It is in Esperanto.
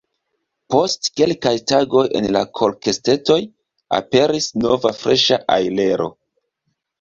Post kelkaj tagoj en la kolkestetoj aperis nova freŝa ajlero.